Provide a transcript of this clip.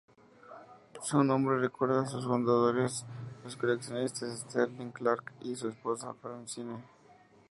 Su nombre recuerda a sus fundadores, los coleccionistas Sterling Clark y su esposa Francine.